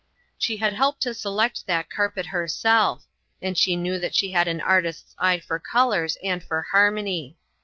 She had helped to select that carpet herself, and she knew that she had an artist's eye for colors and for harmony.